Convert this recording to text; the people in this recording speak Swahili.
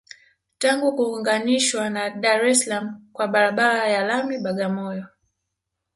Tangu kuunganishwa na Dar es Salaam kwa barabara ya lami Bagamoyo